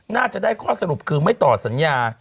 น่าจะได้ข้อสรุปคือไม่ต่อสัญญา